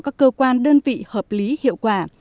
các cơ quan đơn vị hợp lý hiệu quả